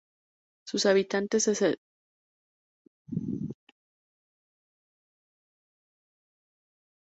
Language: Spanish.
Sus habitantes se dedican a la agricultura y en menor grado a la ganadería.